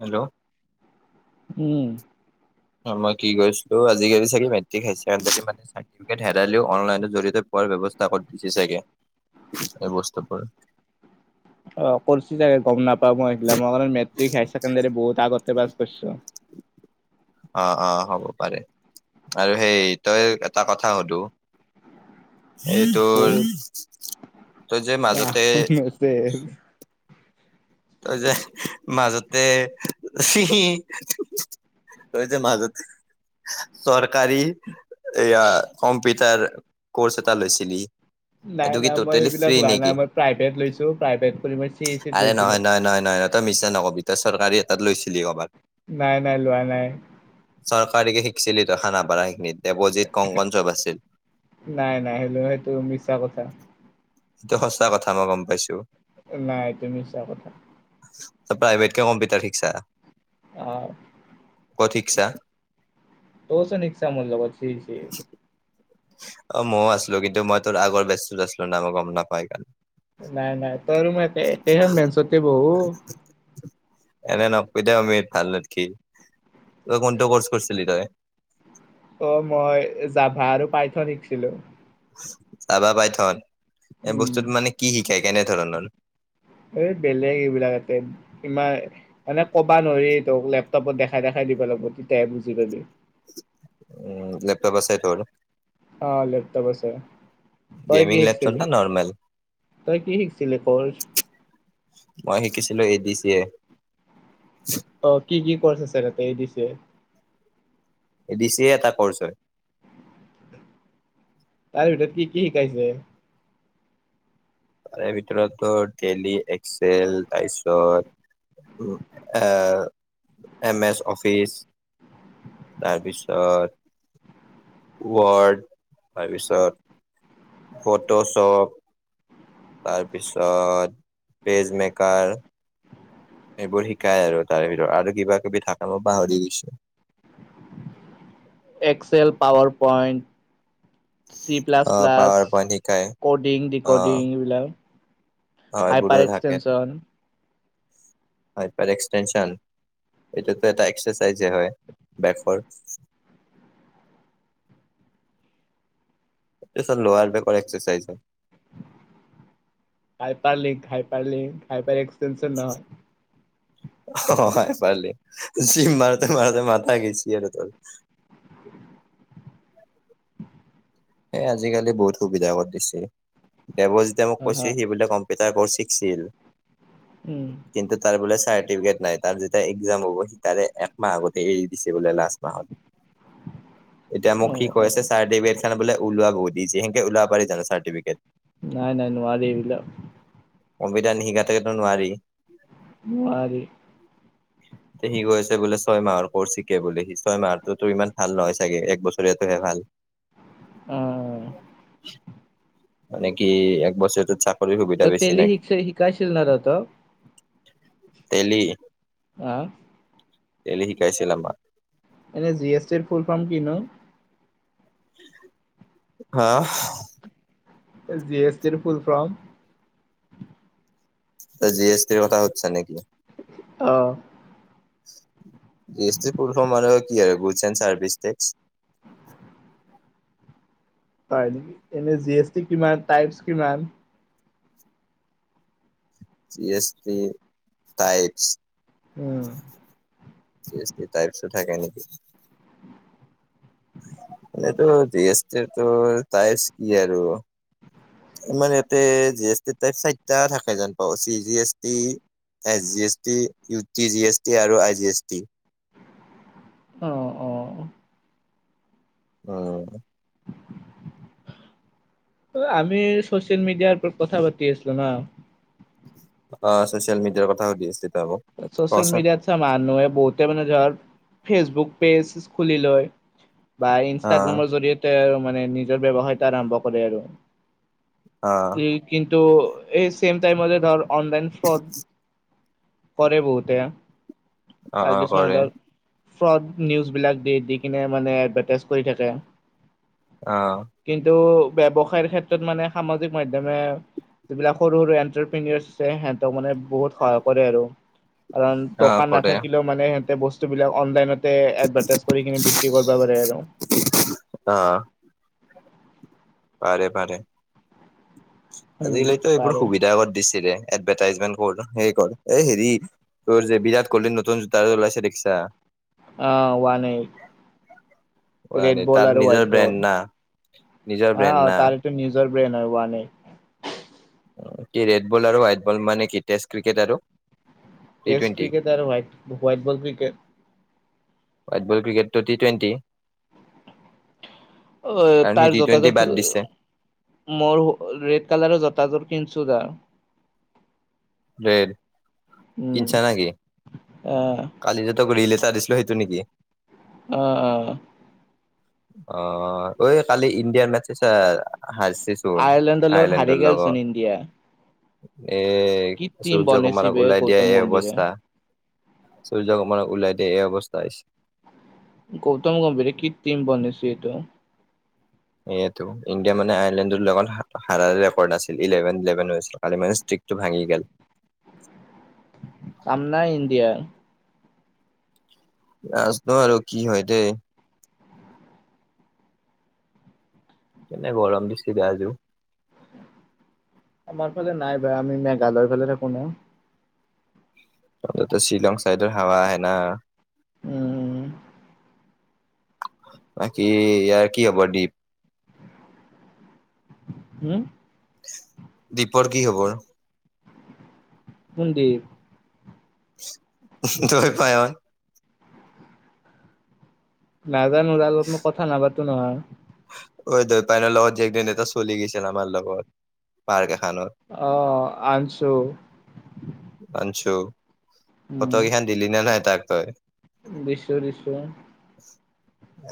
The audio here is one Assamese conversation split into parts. হেল্ল'? উম। মই কি কৰিছিলো আজিকালি চাগে মেট্ৰিক, হাই ছেকেণ্ডাৰী মানে চাৰ্টিফিকেট হেৰালেও অনলাইনৰ জডিয়তে পোৱা ব্যৱস্থা কৰি দিছে চাগে? এই বস্তুবোৰ। অহ কৰিছ চাগে গম নাপা মই সিল মই মেট্ৰিক হায় ছেকেণ্ডী বহুত আগতে পাছ কৰিছো। অহ-অহ হ'ব পাৰে, আৰু সেইটোই এটা কথা সুধো? [inaudible] এইটোৰ বহুত তই যে বাহ মাজতে মেছেজ তই যে মাজতে [unintelligible] তই যে মাজতে চৰকাৰী এয়া কম্পিউটাৰ কৰ্চ এটা লৈছিলি সেইটো কি নাই-নাই মই টটেলি ফ্ৰী এইবিলাক লোৱা নেকি? নাই, মই প্ৰাইভট লৈছো প্ৰাইভেট কৰি মই চি এ চি ত লৈছিলো। নাই-নাই তই মিছা নক'বি তই চৰকাৰী এট লৈছিলি ক'বাত। নাই-নাই লোৱা নাই। চৰকাৰীকে শিকিছিলি তই খানাাপাৰ সেইখিনিত। দেৱজিত, কংকন চৱ আছিল। নাই নাই সেইটো সেইটো মিছা কথা এইটো সঁচা কথা মই গম পাইছো। নাই এটো মিচা কথা। ত প্ৰাইভেট ক কম্পিউটাৰ শিকচা? অহ। শিকচা? তও চোন শিকচা মুৰ লগ চি ই চি। অহ মইও আছিলো কিন্তু মই তোৰ আগৰ বেছটোত আছিলো না মই গম নাপাই হেকাৰনে। নাই-নাই তইো মই একেইখন বেঞ্চতে বহো। এনে নকবি দে অমিত ভাল নেদখি। তই কোনটো কৰ্চ কৰিছিলি তই? অহ, মই যাভা আৰু পাইথ শিকছিলো। যাভা, পাইথন? এই উম বস্তুত মানে কি শিকায়, কেনে ধৰণৰ? এই বেলেগ এইবিলাক এতে ইমান মানে ক'বা নোৱাৰি ত লেপটপত দেখাই-দেখাই লাগব তেতিয়া হে বুজি পাবি। উম, লেপটপ আছে টোৰ? অহ, লেপটপ আছে। তই কি গেমিং লেপটপ শিকছিলি? না নৰ্মেল তই কি শিকছিলি কৰ্চ ‌? শিকিছিলোঁ এডি চি এ। অহ, কি-কি কৰ্চ আছে তাতে A D C A? A D C A এটা কৰ্চ হয়। তাৰ ভিতৰত কি-কি শিকাইছে? তাৰে ভিতৰতো টোৰ টেলি, এক্সেল, তাইছত এম এছ অফিচ তাৰপিছত ৱৰ্ড তাৰপিছত ফটোশপ তাৰপিছত পেজমেকাৰ এইবোৰ শিকাই আৰু তাৰে ভিতৰত আৰু কিবা কিবি থাকে মই পাহৰি গৈছো। [inaudible] এক্সেল পাৱাৰ পইণ্ট চি অ প্লাছ পাৱাৰ প্লাছ পইণ্ট শিকাই ক'ডিং ৰে ক'ডিং এইবিলাক হয় হাইপাৰ বোৰো থাকে এক্সটেনচন হয় এক্সটে্যন এটোতো এটা এক্সাৰচাইজে হয় বকৰ লাৰ বেকৰ এক্সাৰচাইজ হয় ই পাৰলি খাই পাৰলি খাই পাই এক্সে নহয় অ হয় পাৰিল জিম মাৰোতে মাৰোতে মথা গিছি আৰু তোৰ উ এ আজিকালি বহুত সুবিধা কৰি দিছে দেৱজিতে মোক হা কৈছে হা সি বোলে ক কৰ শিকছিল উম কিন্তু তাৰ বোলে চাৰ্টিফিকেট নাই তাত যেতিয়া একজাম হ'ব সেই তাৰে একমাহ আগতে এৰি দিছে বোলে লাষ্ট এতিয়া মোক অ কি অ কৈছে ছাৰ ডভ ওাবহ যিকেওাব পাৰি চাৰটিফিকেট নাই নাই নোৱাৰি এইবিলাক অবিধান নিশিকা থাকেতো নোৱাৰি নোৱাৰি এয়া সি গৈ আছে বোলে ছয় মাহৰ কৰ্চ শিকে বুলি সি ছয় মাহটোতো ইমান ভাল নহয় চাগে এক বছৰাতটোহে ভাল আহ মানে কি এক বছটো চাক ত তেলি হিক শিকাই ছিল তহঁতক? তেলি আহ তেলি শিকাইছিল আমাক। এনে জি এছ টিৰ ফুল ফাৰ্ম কিনো? হা জি এছ টি ৰ ফুল ফ্ৰম। ত জি এছ টিৰ কথা সুদিছা নেকি? আহ। জি এছটি ফুল ফ্ৰম কি আৰু গুডছ এণ্ড চাৰ্ভিচ টেক্স। [inaudible] হয় নেকি? এনে জি এছ টি কিমান টাইপছ কিমান? G S T type. উম তাইপছো থাকে নেকি? সেতো তাই কি আৰু। মোৰ ইয়াতে জি এছ টি টাইপ চাইটা থাকে যেন পাওঁ G S T S G S T U T G S T আৰু আই জি এছ টি। আহ অ উ আমি চো চিয়েল মিডিয়াৰ প কথা পাতিছিলোঁ ন অ ছচিয়েল মিডিয়াৰ কথা সুধি আছে ছ'চিয়েল মিডিয়াত চা মানুহে বহুতে মানে জাৰ ফেচবুক- পেছ চেছ খুলি লয় বা অ', ইনচতাগ্ৰামত যদিতে আও মানে নিজৰ ব্যবহাৰ কিটা আৰম্ভ কৰে আৰু অ', কি- ত এই চেম তাইমতে ধৰ অনলাইন ফ্ৰড- কৰে বহুতে অ-অ, আৰু কিছুমানে কৰে। ধৰ ফ্ৰড নিউজবিলাক দি-দি, কিনে মানে এডভাৰটাইজ কৰি থাকে। অ', কিন্তু, ব্যৱসায়ৰ ক্ষেত্ৰত মানে সামাজিক মাধ্যময়ে যিবিলাক সৰু-সৰু এণ্টিপ্ৰিনিয়েজ আছে, সিহঁতক মানে বহুত সহায় কৰে আৰু কাৰণ, অ', দোকান কৰে নাথাকিলেও মানে সিহঁতে বস্তু বিলাক অনলাইনত এডভেটেজ কৰি কিনে, বিক্ৰী কৰিব পাৰে আৰু। পাৰে-পাৰে। উম আজিকালিতো এইবোৰ পাৰে সুবিধা আগত দিছিলে, এডভাৰটাইজমেণ্ট কৰে ন সেই কাৰণে, এই হেৰি তোৰ যে বিয়াত, কলি নতুন জোতা এযোৰ ওলাইছে দেখিছা? অহ ওৱান এইট। ৰেড তাৰ বল আৰু নিজৰ হোৱাইট ব্ৰেণ্ড বল না নিজৰ হ ব্ৰেণ্ড না তাৰ এটা নিজৰ [unintelligible] কি ৰেড বল আৰু হোৱাইট বল মানে কি? টেষ্ট ক্ৰিকেট আৰু টি টেষ্ট টুৱেণ্টি ক্ৰিকেট আৰু হোৱাট-হোৱাইট বল ক্ৰিকেট ৱাইটবল ক্ৰিকেটটো টি টুৱেণ্টি? অ, কাৰণ সি তাৰ টি টুৱেণ্টি জোতাযোৰ বাদ দিছে মৰ ৰেড কালাৰৰ জোতাযোৰ কিনিছো যা ৰেদ‌ কিনিছা নেকি, আহ কালি যে তই কিনিলি টা দিছিলোঁ সেইটো নেকি? অ-অ অ, ঐ কালি ইণ্ডিয়াৰ মেছে চালা? হাৰিছে চোন, আয়াৰলেণ্ডৰ লগত হাৰি আইলেণ্ডৰ গেলচোন লগত। ইণ্ডিয়া এ, কি টিম সূৰ্য বনাইছে কুমাৰক বে ওলাই দিয়া গৌতম এই গম্ভীৰে অৱস্থা সূৰ্য্যকুমাৰক ওলাই দিয়া এই অৱস্থা হৈছে। গৌতম গম্ভীৰে, কি টিম বনাইছে এইটো? এইটো, ইণ্ডিয়া মানে আয়াৰলেণ্ডৰ লগত হাৰাৰে ৰেকৰ্ড আছিল, ইলেভেন হৈ কালি মই এটো ভাঙি গেল। কাম নাই ইণ্ডিয়াৰ নাজানোঁ আৰু, কি হয় দে কেনে গৰম দিছেবা আজিও আমাৰ ফালে নাই ভাই, আমি মেঘালয়ৰ ফালে থাকো ন। তো, শ্বিলং চাইডৰ হাৱা আহে না উম বাকী, ইয়াৰ কি হবৰ দীপ? হম দ্বীপৰ কি খবৰ? কোন দ্বীপ? দই পাইহত। নাজানো, তাৰ লগত মই কথা নাপাতো নহয়। ঐ দেউতাকৰ লগত যে একদিন এটা ছোৱালী গৈছিল আমাৰ লগত পাৰ্ক এখনত আহ, আনছু আনছো, ফটোকেইখন দিলি নে নাই তাক তই দিছো-দিছো।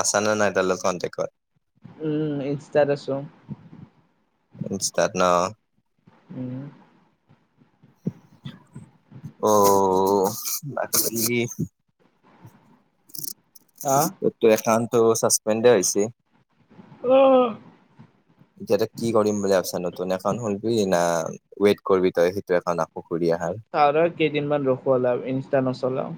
আছা নে নাই, তাৰ লগত কনটেক্টত? উম, ইনষ্টাত আছো। ইনষ্টাত ন উম অ, লাকলি আহ তো, তেনখানটো ছাছপেণ্ডে হৈছে। অ এতিয়া কি কৰিম বুলি ভাবিছা নতুন এখন খুলবি না ৱেইট কৰিবি তই সেইটো একাউণ্ট আকৌ। ঘূৰি আহাৰ তাৰা কেইদিনমান ৰখুৱালা ইনষ্টা নচলাও।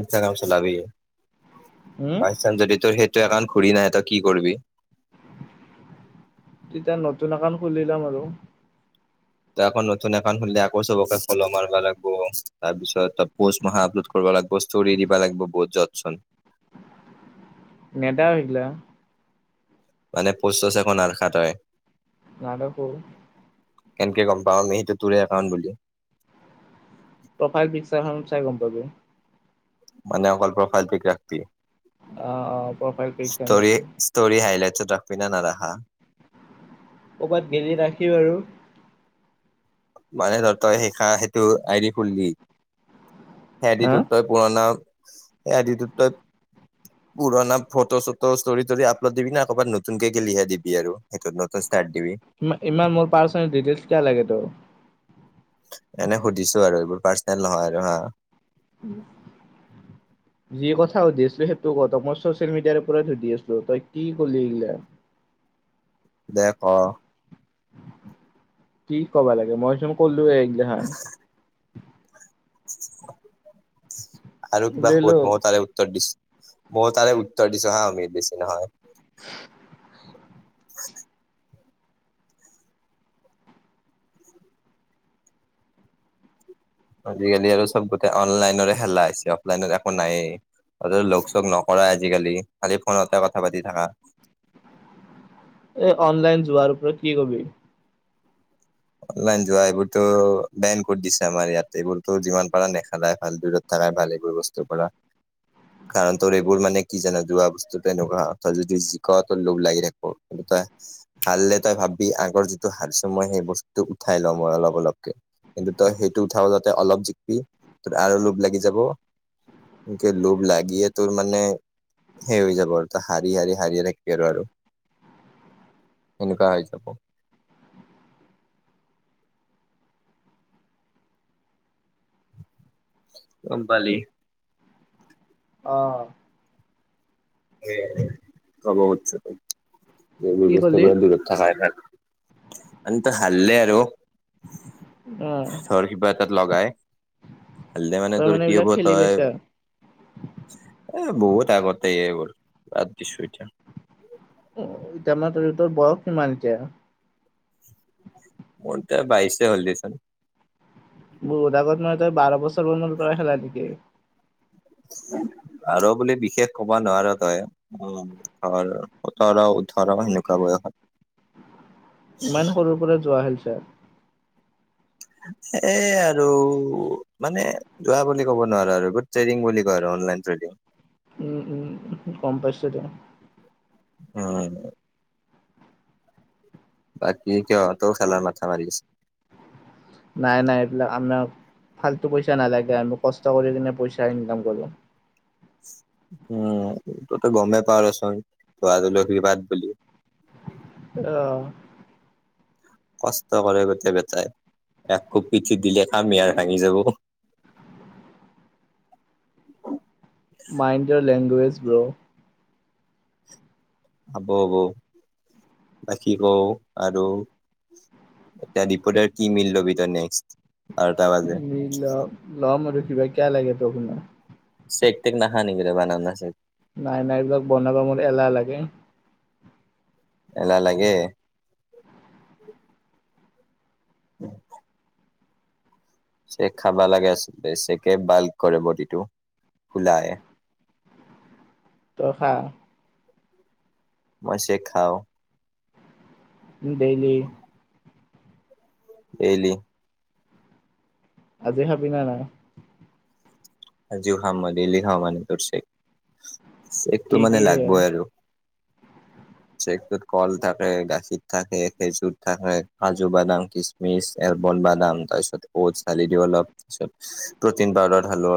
ইনষ্টাগ্ৰাম চলাবি হম বাইচান্স যদি তই সেই সেইটো একাউণ্ট ঘূৰি নাহে তই কি কৰিবি? তেতিয়া নতুন একাউণ্ট খুলি লম আৰু। তই আকৌ নতুন একাউণ্ট খুলিলে আকৌ চবকে ফল' মাৰিব লাগিব তাৰ পিছত পষ্ট মহা আপলোড কৰি- লাগব ষ্টৰি দিবা লাগব বজচন্ নেদাও এইগিলা। মানে পষ্ট সষ্ট একো নাৰাখা তই। নাৰাখো। কেনেকে গম পাম আমি সেইটো তোৰে একাউণ্ট বুলি। প্ৰফাইল পিকচাৰ খনত চাই গম পাবি। মানে অকল প্ৰফাইল পিক ৰাখবি। অ অ প্ৰফাইল পিকচাৰ ষ্টৰি হাইলাইটচত ৰাখবি না নাৰাখা। ক'ৰবাত গেলি ৰাখিম আৰু। মানে তই শিষা সেইটো আইদি খুললি। সেই হা আইডিটোত তই পুৰণা আইডিটোত তই। পুৰণা ফটো চটো ষ্টৰি তৰি আপলোড দিবি না কৰবাত নতুনকে কে গেলিহে দিবি আৰু সেইটোত নতুন। ষ্টাৰ্ট দিবি ইমান মোৰ পাৰ্চনেল ডিটেইলছ কিয় লাগে তোক। এনে সুধিছো আৰু এইবোৰ পাৰ্চনেল নহয় আৰু হা। [unintelligible] [inaudible] যি কথা সুধি আছিলো সেইটো ক তই মই চচিয়েল মিডিয়াৰ ওপৰত সুধি আছিলো তই কি কলি এইগিলা। দে ক কি কবা লাগে মই চোন কলোয়ে এই গিলাখান। আৰু কিবা লো শুধ মইও তাৰে উত্তৰ দিছ- মইও তাৰে উত্তৰ দিছো হা অমিত বেছি নহয়। [unintelligible] [unintelligible] আজিকালি আৰু চব গোটেই অনলাইন হেল্লা হৈছে অফলাইন একো নাই লগ চক নকৰাই আজিকালি খালি ফোনতে কথা পাতি থাকা এই অনলাইন যোৱাৰ পৰা কি কবি অনলাইন যোৱা এইবোৰতো বেন কৰি দিছে আমাৰ ইয়াতে এইবোৰতো যিমান পাৰা নেখেলাই ভাল দূৰত থাক তাই ভালে গৈ বস্তু কৰা কাৰণ তোৰ এইবোৰ মানে কি জানো যোৱা বস্তুত এনেকুৱা তই যদি যিক তোৰ লোভ লাগি থাকিব তই হাল্লে তই ভাববি আগৰ যিটো হাৰছ মই সেই বস্তুটো উঠাই লওঁ অলপ অলপকে কিন্তু তই সেইটো উঠাৰ আগতে অলপ জিকি ত আৰু লোভ লাগি যাব একে লোভ লাগি এ তোৰ মানে সেই হৈ যাব আৰু তই হাৰি হাৰি হাৰিয়ে থাকিবি আৰু আৰু এনেকুৱা হয় যাব গম পালি অ কব খুজছোঁ তাইক এইবোৰ কি বস্তু কলি পৰা দূৰত থকাই ভাল আন্ত হাৰলে আৰু অ ধৰ কিবা এটাত লগাই হাৰলে মানে তই তোৰ কি হব এইবিলাক খেলি তই পাইছা এ বহুত আগতে এইবোৰ বাদ দিছোঁ এতিয়া অ এতিয়া মাহ ধৰী তোৰ বয়স কিমান এতিয়া মোৰ ত বাইশে হ'ল দে চুন বত আগত নয় তই বাৰ বছৰ বণ কৰা খেলা থিকে। উম [inaudible] আৰু বুলি বিশেষ ক'ব নোৱাৰ তই, উম ধৰ সোতৰ - ওঠৰ সেনেকুৱা বয়সত। [inaudible] ইমান সৰুৰ পৰা যোৱা হেলছা এ আৰু মানে যোৱা বুলি ক'ব নোৱাৰো আৰু গুট ট্ৰেডিং বুলি কয় আৰু। অলাইন চাগে? উম উম উম গম পাইছা দে। উম। বাকী কিয় তও খেলাৰ মাথা মাৰি আছে। নাই নাই এইবিলাক আমাৰ ফাল্টু পইচা নালাগে আমি কষ্ট কৰি কিনে পইচা ইনকাম কৰো। উম এইটোতো গমেই পা ৰচোন তোৱাল আশীৰ্বাদ বুলি। অহ। কষ্ট কৰে গোটেই বেটাই এক কোপ পিঠিত দিলে কামি আৰু ভাঙি যাব। [inaudible] মাইণ্ড য়ৰ লেংগুৱেজ ব্ৰ। হব হব বাকী কওঁ আৰু এটা ৰিপৰ্টাৰ কি মিললবি ত নেক্স। ল লম আৰু কিবা কিয় লাগে তোকনো? চেক তেক নাহানিকিলে বনানা চেক। নাই নাই এইবিলাক বনাব মোৰ এলাহ লাগে। এলাহ লাগে। উম‌। [inaudible] চেক খাব লাগে, আচতে চেকে বাল্ক কৰে বডিটো ফুলাই। তষা। মইছে খাওঁ। উম ডেইলি। এলি। আজি খাবি ন নাই? আজিও খাম মই ডেইলী খাম আৰু তোৰ চেক, চেকটো কি, মানে কি সেয়া? লাগবই আৰু। [inaudible] চেক তো কল থাকে, গাখীৰ থাকে, খেজুৰ থাকে, কাজু বাদাম, কিচমিচ বন বাদাম তাৰপিছত ওতচ ধালি দিওঁ অলপ তাৰপিছত প্ৰটিন পাউডাৰ ধালো অলপ।